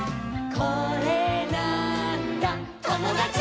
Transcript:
「これなーんだ『ともだち！』」